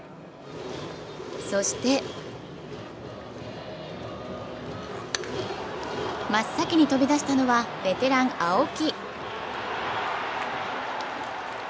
そして真っ先に飛び出したのは、ベテラン・青木。